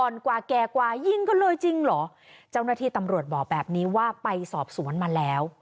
กว่าแก่กว่ายิงกันเลยจริงเหรอเจ้าหน้าที่ตำรวจบอกแบบนี้ว่าไปสอบสวนมาแล้ว